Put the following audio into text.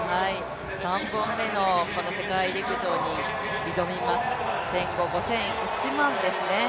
３本目の世界陸上に挑みます１５００、５０００、１００００ｍですね。